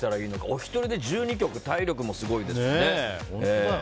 お一人で１２曲体力もすごいですしね。